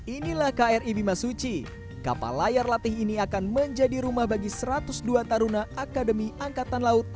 inilah kri bimasuci kapal layar latih ini akan menjadi rumah bagi satu ratus dua taruna akademi angkatan laut